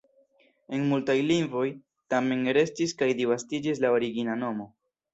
En multaj lingvoj tamen restis kaj disvastiĝis la origina nomo.